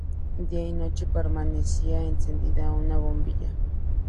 Día y noche permanecía encendida una bombilla.